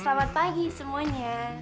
selamat pagi semuanya